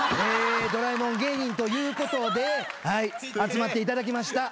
ドラえもん芸人ということで集まっていただきました。